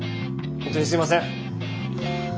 本当にすいません！